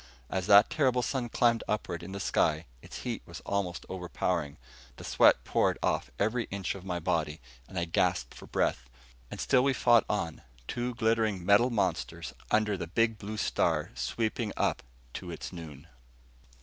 As that terrible sun climbed upward in the sky, its heat was almost overpowering. The sweat poured off every inch of my body, and I gasped for breath. And still we fought on, two glittering metal monsters under the big blue star sweeping up to its noon.